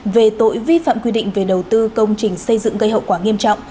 về tội vi phạm quy định về đầu tư công trình xây dựng gây hậu quả nghiêm trọng